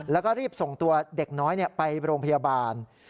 แล้วก็รีบส่งตัวเด็กน้อยไปโรงพยาบาล